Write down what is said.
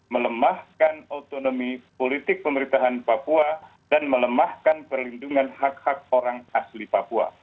melemahkan otonomi politik pemerintahan papua dan melemahkan perlindungan hak hak orang asli papua